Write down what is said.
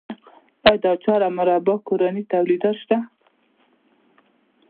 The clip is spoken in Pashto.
آیا د اچار او مربا کورني تولیدات شته؟